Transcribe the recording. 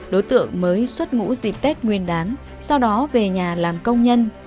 đối tượng mới xuất ngũ dịp tết nguyên đán sau đó về nhà làm công nhân